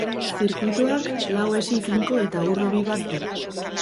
Zirkuituak lau hesi finko eta ur hobi bat du.